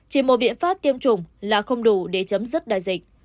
chỉ một biện pháp tiêm chủng là không đủ để chấm dứt đại dịch